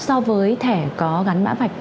so với thẻ có gắn mã vạch